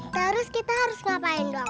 terus kita harus ngapain doang